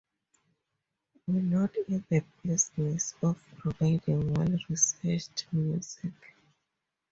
We're not in the business of providing well-researched music.